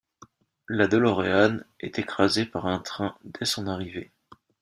La DeLorean est écrasée par un train dès son arrivée.